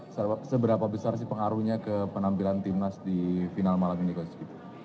seberapa besar sih pengaruhnya ke penampilan timnas di final malam ini coach